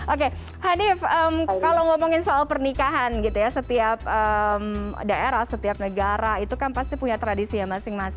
oke hadif kalau ngomongin soal pernikahan gitu ya setiap daerah setiap negara